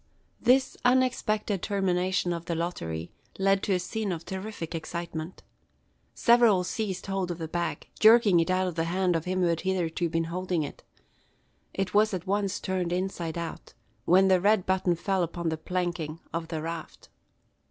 This unexpected termination of the lottery led to a scene of terrific excitement. Several seized hold of the bag, jerking it out of the hand of him who had hitherto been holding it. It was at once turned inside out; when the red button fell upon the planking of the raft.